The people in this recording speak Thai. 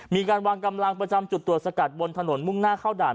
มีการวางกำลังประจำจุดตรวจสกัดบนถนนมุ่งหน้าเข้าด่าน